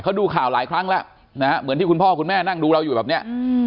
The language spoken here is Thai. เขาดูข่าวหลายครั้งแล้วนะฮะเหมือนที่คุณพ่อคุณแม่นั่งดูเราอยู่แบบเนี้ย